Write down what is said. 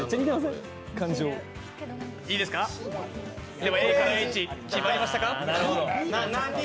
ではＡＨ決まりましたか？